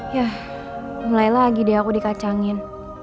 ya mulai lagi deh aku dikacangin